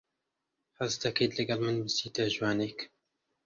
حەز دەکەیت لەگەڵ من بچیتە ژوانێک؟